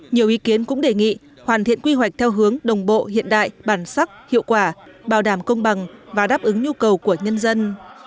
nhiều ý kiến cũng đề nghị hoàn thiện quy hoạch theo hướng đồng bộ hiện đại bản sắc hiệu quả bảo đảm công bằng và đáp ứng nhu cầu của nhân dân